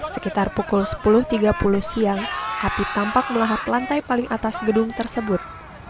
sekitar pukul sepuluh tiga puluh siang api tampak melahap lantai paling atas gedung tersebut